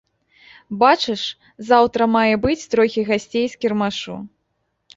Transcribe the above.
Бачыш, заўтра мае быць трохі гасцей з кірмашу.